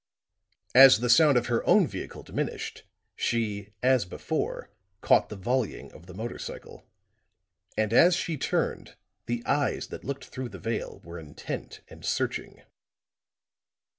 As the sound of her own vehicle diminished, she, as before, caught the volleying of the motor cycle; and as she turned the eyes that looked through the veil were intent and searching.